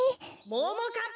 ・ももかっぱ！